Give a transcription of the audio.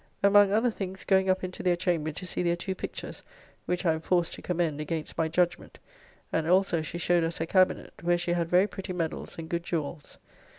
Among other things going up into their chamber to see their two pictures, which I am forced to commend against my judgment, and also she showed us her cabinet, where she had very pretty medals and good jewels.